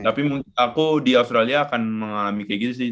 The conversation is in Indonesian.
tapi menurut aku di australia akan mengalami kayak gini sih